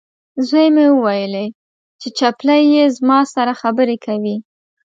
زوی مې وویلې، چې چپلۍ یې زما سره خبرې کوي.